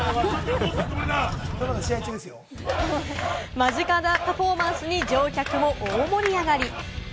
間近なパフォーマンスに乗客も大盛り上がり。